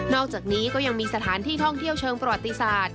อกจากนี้ก็ยังมีสถานที่ท่องเที่ยวเชิงประวัติศาสตร์